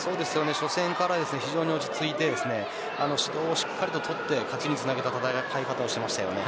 初戦から非常に落ち着いて指導をしっかりと取って勝ちにつなげた戦い方をしました。